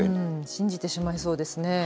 信じてしまいそうですね。